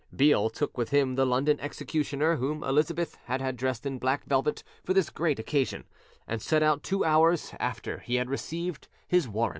Beale took with him the London executioner, whom Elizabeth had had dressed in black velvet for this great occasion; and set out two hours after he had received his warrant.